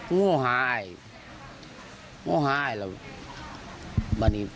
โง่หาอ้ายโง่หาอ้ายแหละบ่นี้